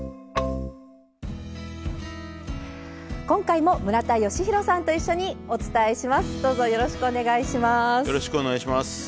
今回も村田吉弘さんと一緒にお伝えします。